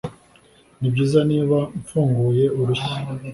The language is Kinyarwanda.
nibyiza niba mfunguye urushyi